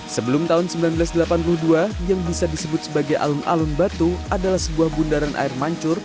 sebelum tahun seribu sembilan ratus delapan puluh dua yang bisa disebut sebagai alun alun batu adalah sebuah bundaran air mancur